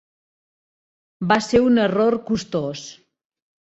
Va ser un error costós.